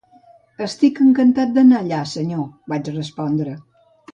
"Estic encantat d"anar allà, senyor", vaig respondre.